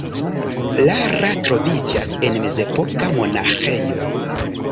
Lara troviĝas en mezepoka monaĥejo.